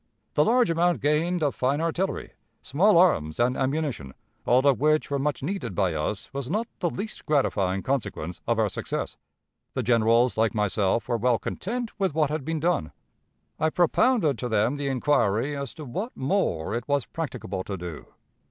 The large amount gained of fine artillery, small arms, and ammunition, all of which were much needed by us, was not the least gratifying consequence of our success. The generals, like myself, were well content with what had been done. I propounded to them the inquiry as to what more it was practicable to do.